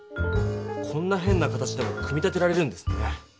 こんなへんな形でも組み立てられるんですね。